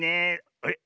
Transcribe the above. あれ？